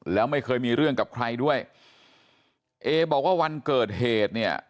แล้วไม่เคยมีเรื่องกับใครด้วยเอบอกว่าวันเกิดเหตุเนี่ย